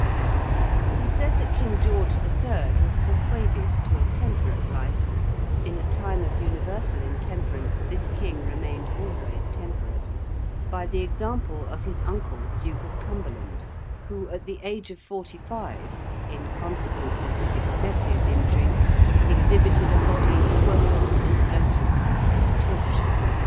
It is said that King George the Third was persuaded to a temperate life in a time of universal intemperance, this King remained always temperate by the example of his uncle the Duke of Cumberland, who at the age of forty five in consequence of his excesses in drink exhibited a body swollen and bloated and tortured with disease.